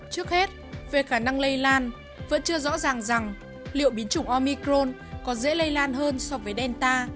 trước hết về khả năng lây lan vẫn chưa rõ ràng rằng liệu biến chủng omicrone có dễ lây lan hơn so với delta